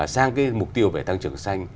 sang mục tiêu về tăng trưởng xanh